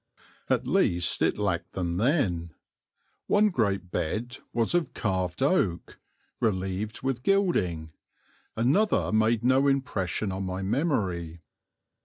At least it lacked them then. One great bed was of carved oak, relieved with gilding; another made no impression on my memory.